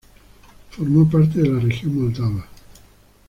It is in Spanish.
Forma parte de la Región Moldava.